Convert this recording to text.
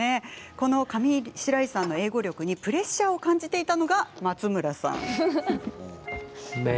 この上白石さんの英語力にプレッシャーを感じていたのが松村さんです。